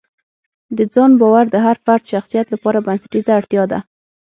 د ځان باور د هر فرد شخصیت لپاره بنسټیزه اړتیا ده.